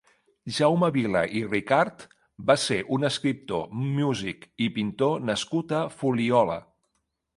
Jaume Vila i Ricart va ser un escriptor, músic i pintor nascut a la Fuliola.